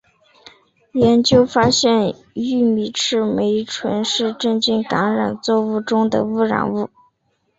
研究发现玉米赤霉醇是真菌感染作物中的污染物。